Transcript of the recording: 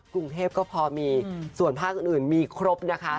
กรุงเทพก็พอมีส่วนภาคอื่นมีครบนะคะ